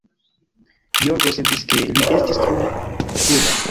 Georgo sentis, ke li estis tro kruda.